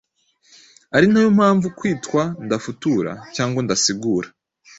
ari na yo mpamvu kitwa “ndafutura” cyangwa “ndasigura”.